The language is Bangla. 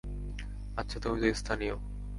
আচ্ছা, তুমি তো স্থানীয়।